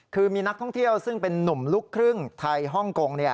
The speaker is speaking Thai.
คือมีนักท่องเที่ยวซึ่งเป็นนุ่มลูกครึ่งไทยฮ่องกง